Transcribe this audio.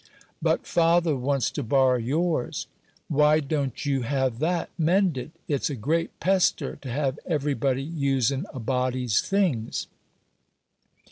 "But father wants to borrow yours." "Why don't you have that mended? It's a great pester to have every body usin' a body's things."